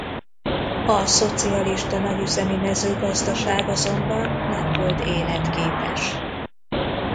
A szocialista nagyüzemi mezőgazdaság azonban nem volt életképes.